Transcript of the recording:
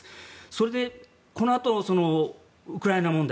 それで、このあとウクライナ問題。